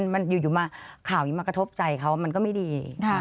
มันอยู่มาข่าวนี้มากระทบใจเขามันก็ไม่ดี